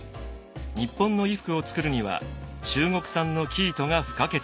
日本の衣服を作るには中国産の生糸が不可欠でした。